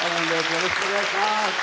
よろしくお願いします。